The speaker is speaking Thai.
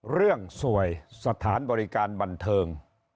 เรื่องสวยสถานบริการบันเทิง